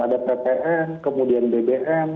ada ppn kemudian bbm